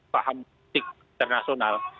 paham politik internasional